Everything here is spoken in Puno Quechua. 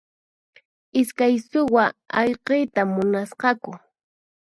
Iskay suwa ayqiyta munasqaku.